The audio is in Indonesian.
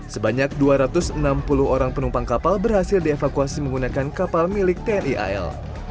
sebanyak dua ratus enam puluh orang penumpang kapal berhasil dievakuasi menggunakan kapal milik tni al